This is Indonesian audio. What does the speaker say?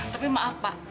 tapi maaf pak